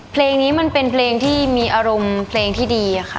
เพลงนี้มันเป็นเพลงที่มีอารมณ์เพลงที่ดีค่ะ